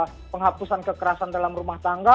ada undang undang penghapusan kekerasan dalam rumah tangga